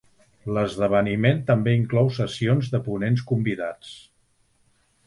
L'esdeveniment també inclou sessions de ponents convidats.